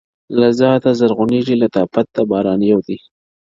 له ذاته زرغونېږي لطافت د باران یو دی-